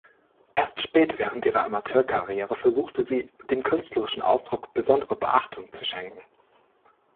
Erst spät während ihrer Amateurkarriere versuchte sie, dem künstlerischen Ausdruck besondere Beachtung zu schenken.